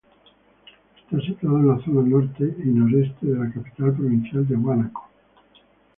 Está situado en la zona Norte y Nor-Este de la capital provincial de Huánuco.